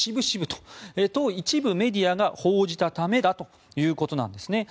渋々と一部メディアが報じたためだということです。